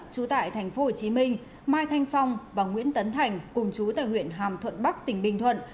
trú tại tp hcm mai thanh phong và nguyễn tấn thành cùng chú tại huyện hàm thuận bắc tỉnh bình thuận